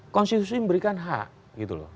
konstitusi memberikan hak gitu loh